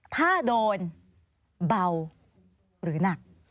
ถ้าโดนเบาหรือหนัก